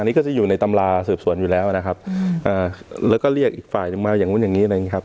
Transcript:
อันนี้ก็จะอยู่ในตำราสืบสวนอยู่แล้วนะครับแล้วก็เรียกอีกฝ่ายหนึ่งมาอย่างนู้นอย่างนี้อะไรอย่างนี้ครับ